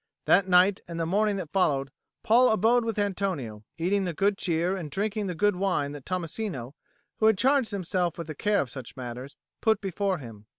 That night and the morning that followed, Paul abode with Antonio, eating the good cheer and drinking the good wine that Tommasino, who had charged himself with the care of such matters, put before him.